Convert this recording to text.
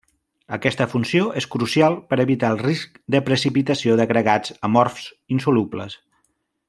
Aquesta funció és crucial per evitar el risc de precipitació d'agregats amorfs insolubles.